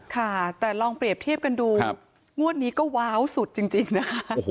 ค่ะแต่ลองเปรียบเทียบกันดูงวดนี้ก็ว้าวสุดจริงนะคะ